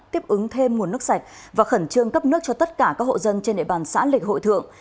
tiếp ứng thêm nguồn nước sạch và khẩn trương cấp nước cho tất cả các hộ dân trên địa bàn xã lịch hội thượng